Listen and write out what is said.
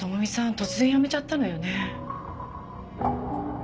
突然辞めちゃったのよね。